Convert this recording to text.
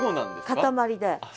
塊で。